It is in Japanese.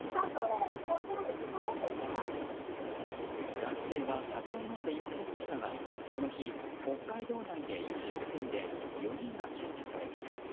男性は酒を飲んでいませんでしたがこの日、北海道内で飲酒運転で４人が検挙されました。